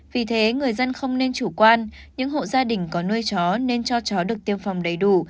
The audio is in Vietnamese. vì thế người dân không nên chủ quan những hộ gia đình có nuôi chó nên cho chó được tiêm phòng đầy đủ